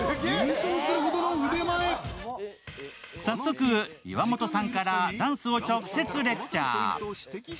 早速、岩本さんからダンスを直接レクチャー。